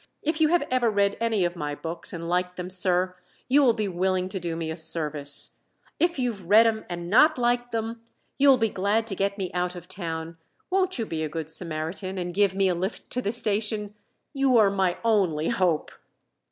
If you have ever read any of my books and liked them, sir, you will be willing to do me a service. If you've read 'em and not liked them, you'll be glad to get me out of town. Won't you be a Good Samaritan and give me a lift to the station? _You're my only hope!